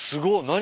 何？